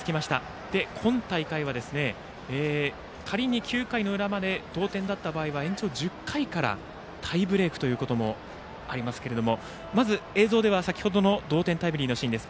そして、今大会は仮に９回の裏まで同点だった場合は延長１０回からタイブレークということもありますがまず、映像では先程の同点タイムリーのシーンです。